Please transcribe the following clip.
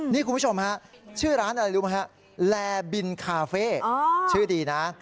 นี่คุณผู้ชมฮะชื่อร้านอะไรรู้ไหมฮะแลบินคาเฟ่ชื่อดีนะ